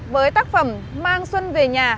với tác phẩm mang xuân về nhà